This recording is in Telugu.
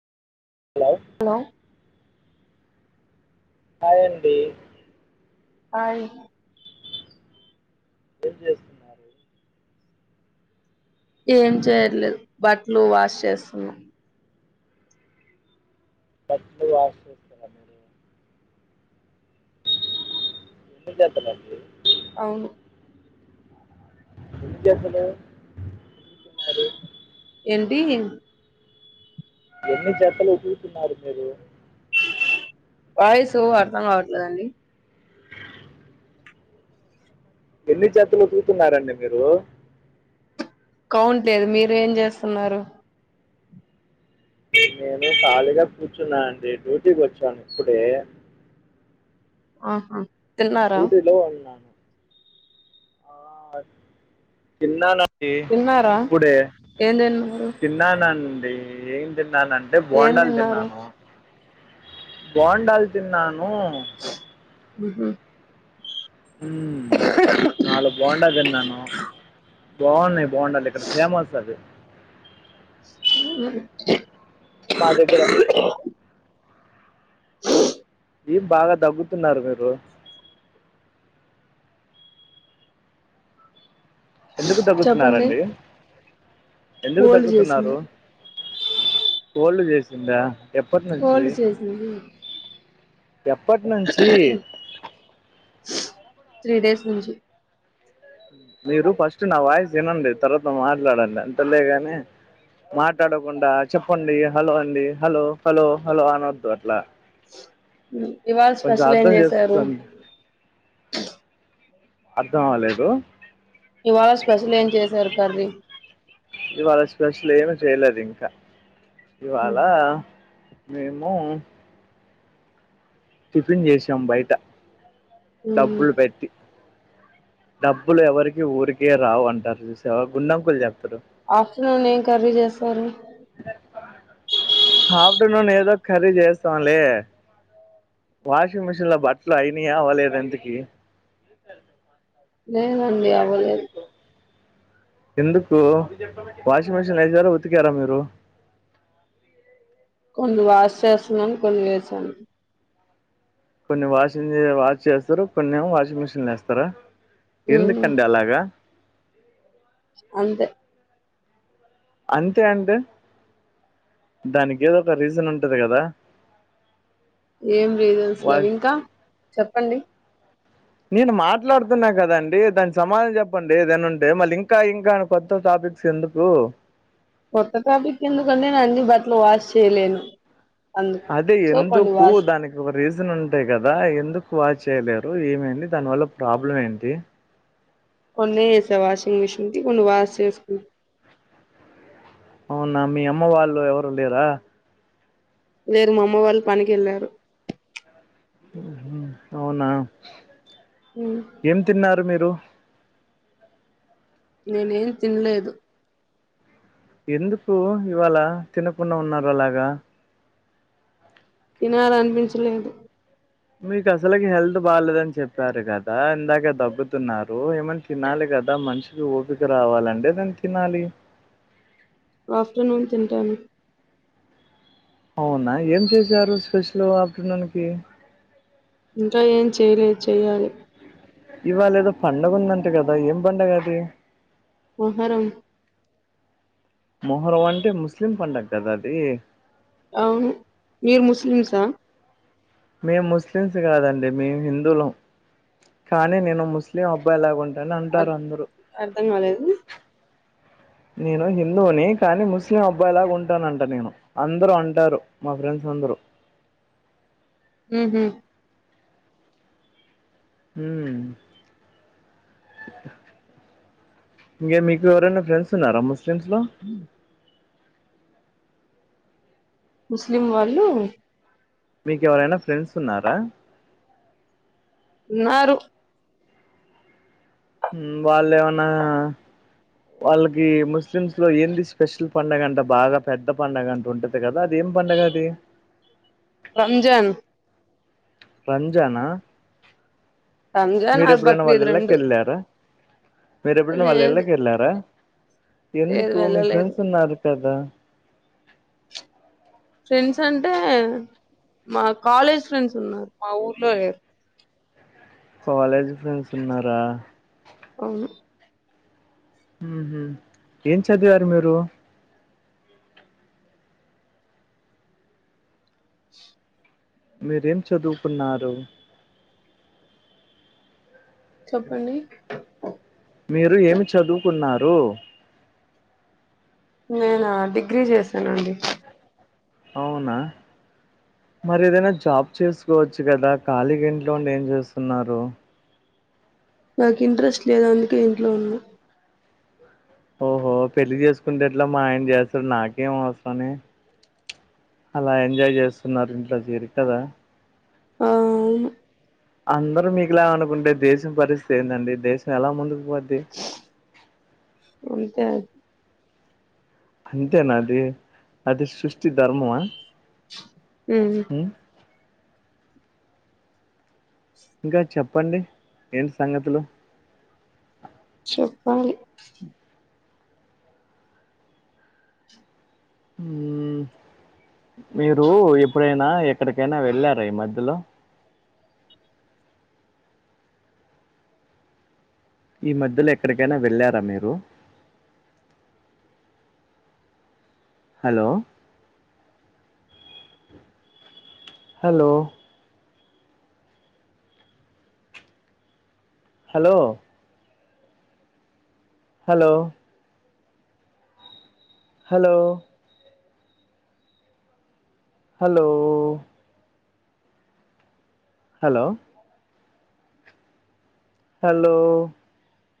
హలో హాయ్ అండి హాయ్ ఏం చేస్తున్నారు ఏం చేయట్లేదు బట్టలు వాష్ చేస్తున్నాం బట్టలు వాష్ [inaudible] అవును ఎందుకు చేస్తలేవ్ మరి ఏంటి ఎన్ని జతలు ఉతుకుతున్నారు మీరు వాయిస్ అర్థం కావట్లేదండి ఎన్ని జతలు ఉతుకుతున్నారండి మీరు కౌంట్ లేదు మీరు ఏం చేస్తున్నారు నేను ఖాళీగా కూర్చున్నా అండి డ్యూటీకి వచ్చాను ఇప్పుడే ఆహా తిన్నారా డ్యూటీ లో ఉన్నాను ఆ తిన్నా తిన్నారా ఇప్పుడే ఏం తిన్నారు తిన్నాను అండి అ ఏం తిన్నానంటే ఏం బోండాలు తిన్నారు తిన్నాను బొండాలు తిన్నాను ఉహు హమ్ నాలుగు బోండా తిన్నాను బాగున్నాయి బొండాలు ఇక్కడ ఫేమస్ అది అ [inaudible] మా దగ్గర ఏం బాగా దగ్గుతున్నారు మీరు ఎందుకు చెప్పండి దగ్గుతున్నారండి ఎందుకు కోల్డ్ దగ్గుతున్నారు చేసింది కోల్డ్ చేసిందా ఎప్పటినుంచి కోల్డ్ చేసింది ఎప్పటినుంచి త్రీ డేస్ నుంచి మీరు ఫస్ట్ నా వాయిస్ వినండి తర్వాత మాట్లాడండి అంతలేగానే మాట్లాడకుండా చెప్పండి హలో అండి హలో హలో హలో అనొద్దు అట్లా ఇవాళ కొంచెం స్పెషల్ ఏం అర్థం చేసారు? చేసుకోండి అర్థం అవలేదు. ఇవాళ స్పెషల్ ఏం చేసారు కర్రీ. ఇవాళ స్పెషల్ ఏమి చేయలేదు ఇంకా. ఇవాళ ఏమో టిఫిన్ చేసాం. బయట డబ్బులు పెట్టి. డబ్బులు ఎవరికి ఊరికే రావు అంటారు. చూసావా గుల్లంకులు చెప్ ఆఫ్టర్నూన్ ఏం కర్రీ చేస్తారు? ఆఫ్టర్నూన్ ఏదో కర్రీ చేస్తాంలే. వాషింగ్ మిషిన్ లో బట్టలు అయినాయా అవ్వలేదా ఇంతకీ లేదండి అవ్వలేదు. ఎందుకు? వాషింగ్ మిషిన్లో వేసినారా, ఉతికారా మీరు. కొన్ని వాస్ చేస్తున్నాను. కొన్ని వేసాను. కొన్ని వాషి వాష్ చేస్తారు కొన్ని ఏమో వాషింగ్ మిషిన్ లో వేస్తారా? ఉమ్, ఎందుకండి అలాగా? అంతే అంతే అంటే దానికి ఏదో ఒక రీజన్ ఉంటది కదా? ఏం లేదు వాష్ ఇంకా చెప్పండి. నేను మాట్లాడుతున్నా కదండి దాని సమాధనం చెప్పండి ఏదైనా ఉంటే మళ్ళీ ఇంకా ఇంకా కొత్త టా క్స్ ఎందుకు కొత్త టాపిక్ ఎందుకంటే నేను అన్ని బట్టలు వాష్ చేయలేను అందుకు అదే సో కొన్ని ఎందుకు వాష్ దానికి ఒక రీజన్ ఉంటాయి కదా ఎందుక్ వాచ్ చేయలేరు ఏమేంది దాని వల్ల ప్రాబ్లం ఏంటి కొన్ని వేసా వాషింగ్ మిషిన్ కి కొన్ని వాష్ చేసుకు అవునా మీ అమ్మ వాళ్ళు ఎవరులేరా లేరు మా అమ్మ వాళ్ళు పనికి వెళ్ళారు అవునా ఉమ్, ఏం తిన్నారు మీరు నేనేం తినలేదు ఎందుకు ఇవాళ తినకుండా ఉన్నారు అలాగా ఇనలనిపించించలేదు మీకు అసలకి హెల్త్ బాలేదని చెప్పారు కదా ఇందాక దగ్గుతున్నారు ఏమని తినాలి కదా కదా మనిషికి ఓపిక రావాలంటే నేను తినాలి ఆఫ్టర్నూన్ తింటాను అవునా ఏం చేశారు స్పెషల్ ఆఫ్టర్నూన్ కి ఇంకా ఏం చేయలేదు చెయ్యాలి ఇవాళ ఏదో పండగ ఉందంటే కదా ఏం పండగ అది మోహరం మొహరం అంటే ముస్లిం పండగ కదా అది అవును మీర్ ముస్లింసా మేము ముస్లిమ్స్ కాదండి మేము హిందువులం కానీ నేను ముస్లిం అబ్బాయిలాగా ఉంటను అంటారు అందరూ అర్థం కాలేదు నేను హిందువుని కానీ ముస్లిం అబ్బాయి లాగా ఉంటానంట నేను అందరుూ అంటారు మా ఫ్రెండ్స్ కొందరు ఉహు ఉమ్ ఇంకే మీకు ఎవరైనా ఫ్రెండ్స్ ఉన్నారా ముస్లిమ్స్ లో ముస్లిం వాళ్ళు మీకేవరైనా ఫ్రెండ్స్ ఉన్నారా ఉన్నారు మ్మ్ వాళ్ళు ఏమన్నా వాళ్ళకి ముస్లిమ్స్ లో ఏంది స్పెషల్ పండగ అంటే బాగా పెద్ద పండగ అంటే ఉంటది కదా నేన్ ఎంపడుగది రంజన్ రంజానా రంజాన్ మీర ఆర్ ఎప్పుడైనా వాళ్ళ బక్రీద్ ఇల్లాకీ రెండు వెళ్ళారా మీరు ఎప్పుడైనా వాళ్ళ లేదు ఇళ్ళకేర్లారా లేదు ఎందుకు మీ వెళ్ళలేదు ఫ్రెండ్స్ ఉన్నారూ కదా ఫ్రెండ్స్ అంటే మా కాలేజ్ ఫ్రెండ్స్ ఉన్నారు మా ఊర్లో లేరు కాలేజ్ ఫ్రెండ్స్ ఉన్నారా అవును ఉహు ఏం చదివారు మీరు మీరేం చదువుకున్నారు చెప్పండి మీరు ఏమి చదువుకున్నారు నేనా డిగ్రీ చేశానండి అవున మరి ఏదైనా జాబ్ చేసుకోవచ్చు కదా ఖాళీగ ఇంట్లో ఉండి ఏం చేస్తున్నారు నాకు ఇంట్రెస్ట్ లేదు అందుకే ఇంట్లో ఉన్న ఓహో పెళ్లి చేసుకుంటే ఎట్లా మా ఆయన చేస్తారు నాకేం అవసరమని. అలా ఎంజాయ్ చేస్తున్నారు ఇంట్లో జేరి కదా? ఆ అవును అందరూ మీకులా అనుకుంటే, దేశం పరిస్థితి ఏందండి? దేశం ఎలా ముందుకు పోద్ది. అంతే అంతేనా అది అది సృష్టి ధర్మమా మ్ హు ఉమ్ ఇంకా చెప్పండి ఏం సంగతులు. చెప్పాలి హ్మ్ మీరు ఎప్పుడైనా ఎక్కడికైనా వెళ్ళారా ఈ మధ్యలో? ఈ మధ్యలో ఎక్కడికైనా వెళ్ళారా మీరు? Hello! Hello! Hello! Hello! Hello! Hello! Hello! Hello!